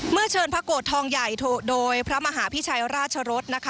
เมื่อเชิญพระกดทองใหญ่โดยพระมหาพิชัยราชรศ